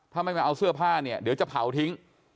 ถ้าไม่มาเอาเสื้อผ้าเนี่ยเดี๋ยวจะเผาทิ้ง